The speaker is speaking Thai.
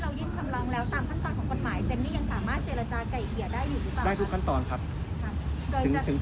ตามที่เรียกคำลองหรือมากบ่นนั้นน้อยกว่านั้นหรือยังไง